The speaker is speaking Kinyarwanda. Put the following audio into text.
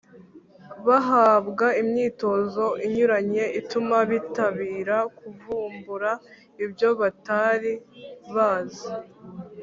bahabwa imyitozo inyuranye ituma bitabira kuvumbura ibyo batari bazi